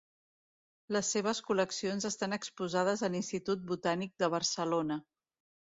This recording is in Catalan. Les seves col·leccions estan exposades a l'Institut Botànic de Barcelona.